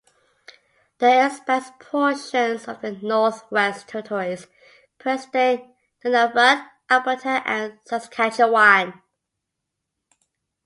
The area spans portions of the Northwest Territories, present-day Nunavut, Alberta and Saskatchewan.